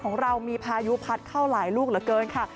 ของเรามีพายุพัดเข้าหลายลูกเหลือเกินค่ะ